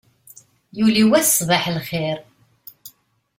Yuli wass ṣṣbaḥ lxir.